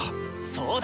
そうだ！